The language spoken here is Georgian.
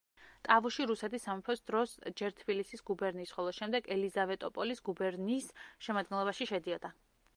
ტავუში რუსეთის სამეფოს დროს ჯერ თბილისის გუბერნიის, ხოლო შემდეგ ელიზავეტოპოლის გუბერნიის შემადგენლობაში შედიოდა.